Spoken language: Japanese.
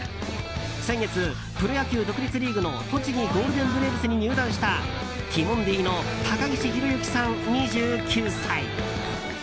先月、プロ野球独立リーグの栃木ゴールデンブレーブスに入団したティモンディの高岸宏行さん、２９歳。